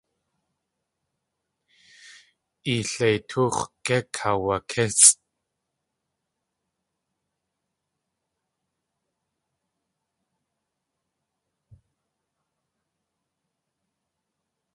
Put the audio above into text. I leitóox̲ gé kaawakísʼ?